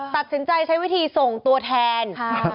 ตัดสินใจใช้วิธีส่งตัวแทน